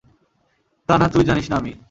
তা না তুই জানিস না আমি!